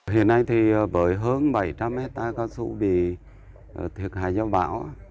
hiện nay thì với hơn bảy trăm linh hectare cao su bị thiệt hại do bão